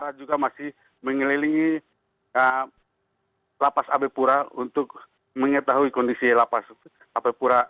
aparat juga masih mengelilingi lapas abe pura untuk mengetahui kondisi lapas abe pura